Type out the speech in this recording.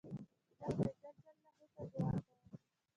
زه خدای جل جلاله ته دؤعا کوم.